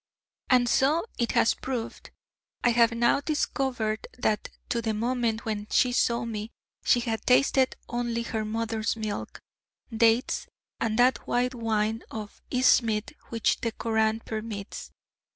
And so it has proved. I have now discovered that to the moment when she saw me, she had tasted only her mother's milk, dates, and that white wine of Ismidt which the Koran permits.